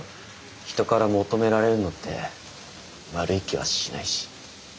人から求められるのって悪い気はしないし。